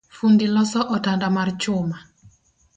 Fundi loso otanda mar chuma